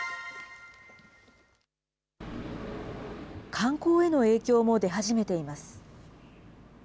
観光への影響も出始めています。